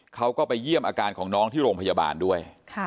เขาก็ไปเยี่ยมอาการของน้องที่โรงพยาบาลด้วย